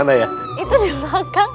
itu di belakang